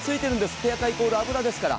手あかイコール脂ですから。